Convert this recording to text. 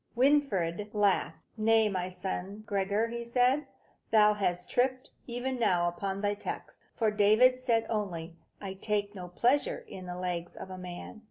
Winfried laughed. "Nay, my son Gregor," said he, "thou hast tripped, even now, upon thy text. For David said only, 'I take no pleasure in the legs of a man.'